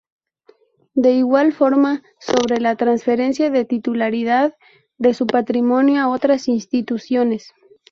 De igual forma, sobre la transferencia de titularidad de su patrimonio a otras instituciones.